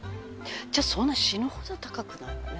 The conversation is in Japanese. じゃあそんな死ぬほど高くないよね。